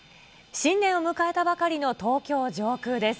新年を迎えたばかりの東京上空です。